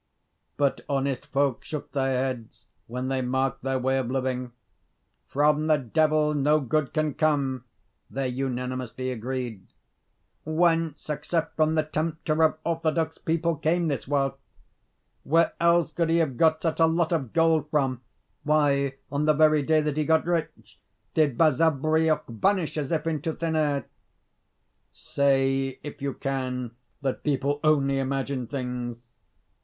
But honest folk shook their heads when they marked their way of living. "From the Devil no good can come," they unanimously agreed. "Whence, except from the tempter of orthodox people, came this wealth? Where else could he have got such a lot of gold from? Why, on the very day that he got rich, did Basavriuk vanish as if into thin air?" Say, if you can, that people only imagine things!